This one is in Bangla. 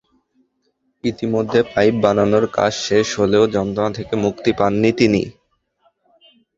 ইতিমধ্যে পাইপ বসানোর কাজ শেষ হলেও যন্ত্রণা থেকে মুক্তি পাননি তিনি।